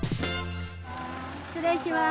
失礼します。